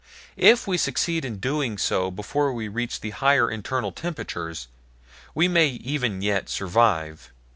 If we succeed in so doing before we reach the higher internal temperature we may even yet survive.